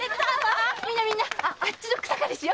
みんなあっちの草刈りしよ。